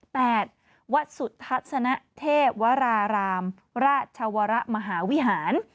วัดสุทัศนเทพวรารามราชวรมหาวิหาร